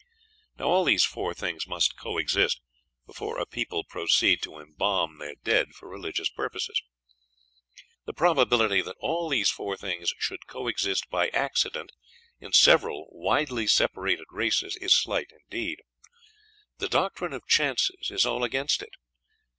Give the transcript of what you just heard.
Now all these four things must coexist before a people proceed to embalm their dead for religious purposes. The probability that all these four things should coexist by accident in several widely separated races is slight indeed. The doctrine of chances is all against it.